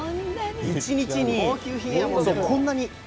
一日にこんなに。